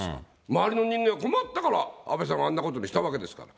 周りの人間が困ったから、安倍さんにあんなことしたわけですから。